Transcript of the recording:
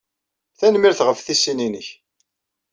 Tanemmirt ɣef tisin-nnek.